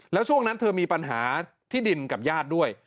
แล้วช่วงนั้นเธอมีปัญหาที่ดินกับญาติด้วย